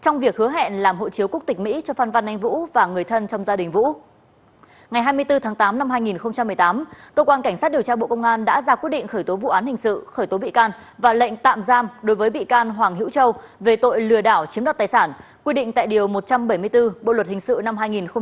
ngày hai mươi bốn tháng tám năm hai nghìn một mươi tám cơ quan cảnh sát điều tra bộ công an đã ra quyết định khởi tố vụ án hình sự khởi tố bị can và lệnh tạm giam đối với bị can hoàng hữu châu về tội lừa đảo chiếm đoạt tài sản quy định tại điều một trăm bảy mươi bốn bộ luật hình sự năm hai nghìn một mươi năm